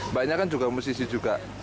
mbaknya kan juga musisi juga